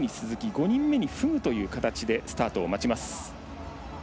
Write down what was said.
５人目にフグという形でスタートを待ちます。